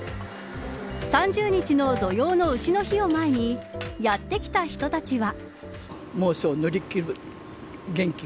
３０日の土用の丑の日を前にやって来た人たちは。